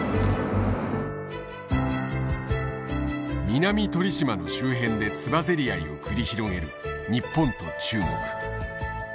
南鳥島の周辺でつばぜり合いを繰り広げる日本と中国。